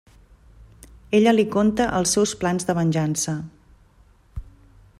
Ella li conta els seus plans de venjança.